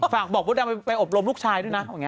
ฝากบอกโภชน์ดำไปอบรมลูกชายด้วยนะเหมือนกัน